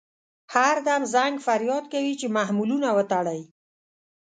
هر دم زنګ فریاد کوي چې محملونه وتړئ.